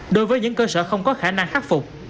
đối với những cơ sở không có khả năng khắc phục